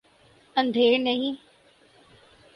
اندھیر نہیں۔